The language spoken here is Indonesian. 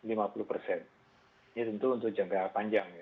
ini tentu untuk jangka panjang ya